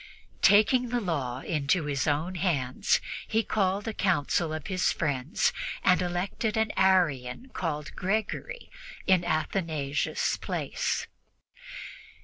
Taking the law into his own hands, he called a council of his friends and elected an Arian called Gregory in Athanasius' place.